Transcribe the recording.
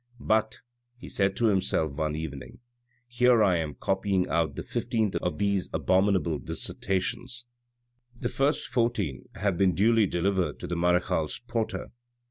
" But," he said to himself one evening, " here I am copying out the fifteenth of these abominable dissertations ; the first fourteen have been duly delivered to the marechale's porter.